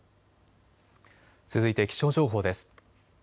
続いて気象情報です。